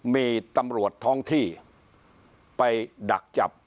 มีตำรวจท้องที่ไปดักจับ